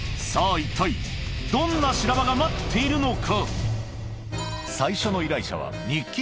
一体どんな修羅場が待っているのか？